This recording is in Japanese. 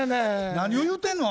何を言うてんの？